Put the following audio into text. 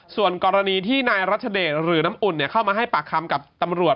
ส่วนกรณีที่นายรัชเดชหรือน้ำอุ่นเข้ามาให้ปากคำกับตำรวจ